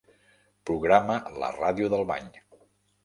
Programa la ràdio del bany.